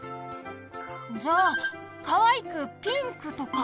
じゃあかわいくピンクとか？